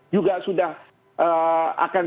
juga sudah akan